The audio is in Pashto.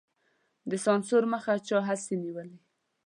د سانسور مخه چا هغسې نېولې.